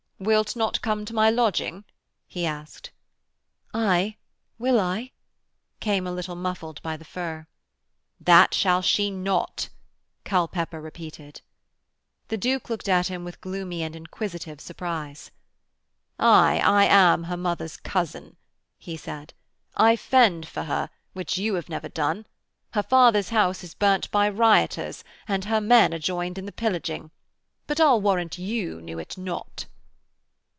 'Wilt not come to my lodging?' he asked. 'Aye, will I,' came a little muffled by the fur. 'That shall she not,' Culpepper repeated. The Duke looked at him with gloomy and inquisitive surprise. 'Aye, I am her mother's cousin,' he said. 'I fend for her, which you have never done. Her father's house is burnt by rioters, and her men are joined in the pillaging. But I'll warrant you knew it not.'